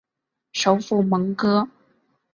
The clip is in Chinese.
首府蒙戈。